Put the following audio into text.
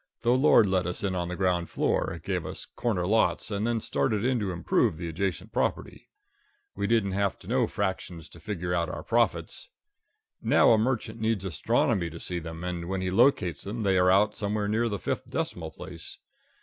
The Lord let us in on the ground floor, gave us corner lots, and then started in to improve the adjacent property. We didn't have to know fractions to figure out our profits. Now a merchant needs astronomy to see them, and when he locates them they are out somewhere near the fifth decimal place.